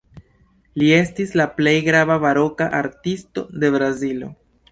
Li estis la plej grava baroka artisto de Brazilo.